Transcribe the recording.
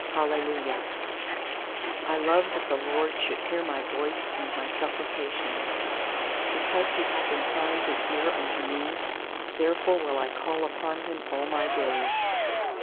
Hallelujah. 1 1 ft I love that the LORD shoulc 110 hear My voice and my supplications. 2Because He hath inclined His eai unto me, Therefore will I call upon Him all my days.